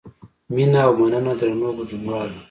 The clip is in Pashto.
مینه او مننه درنو ګډونوالو.